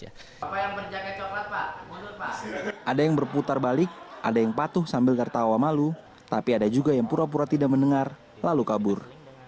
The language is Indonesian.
ada yang berputar balik ada yang patuh sambil tertawa malu tapi ada juga yang pura pura tidak mendengar lalu kabur